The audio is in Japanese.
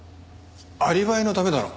アリバイのためだろ。